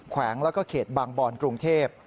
แขวงแล้วก็เขตบางบอนกรุงเทพ